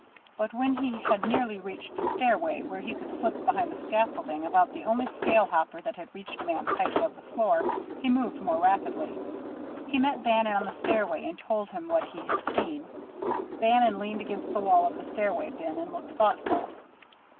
But when he had nearly reached the stairway, where he could slip behind the scaffolding about the only scale hopper that had reached a man's height above the floor, he moved more rapidly. He met Bannon on the stairway, and told him what he had seen. Bannon leaned against the wall of the stairway bin, and looked thoughtful.